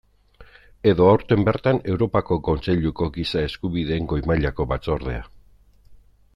Edo aurten bertan Europako Kontseiluko Giza Eskubideen Goi mailako Batzordea.